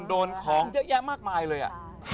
โดนของเยอะแยะมากมายเลย